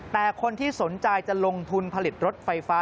แต่คนที่สนใจจะลงทุนผลิตรถไฟฟ้า